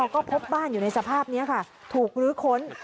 ก็พบบ้านอยู่ในสภาพนี้ค่ะถูกลื้อค้น